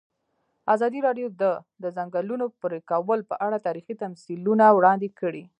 ازادي راډیو د د ځنګلونو پرېکول په اړه تاریخي تمثیلونه وړاندې کړي.